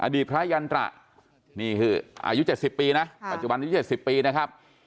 ดีพระยันตระนี่คืออายุ๗๐ปีนะปัจจุบันนี้๗๐ปีนะครับ